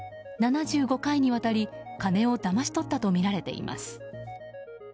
７５回にわたり金をだまし取ったとみられています。